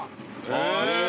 へえ。